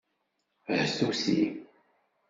Htuti.